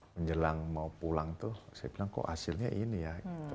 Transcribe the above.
menjelang mau pulang tuh saya bilang kok hasilnya ini ya